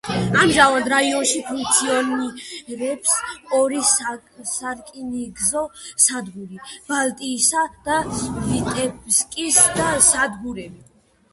ამჟამად რაიონში ფუნქციონირებს ორი სარკინიგზო სადგური: ბალტიისა და ვიტებსკის და სადგურები.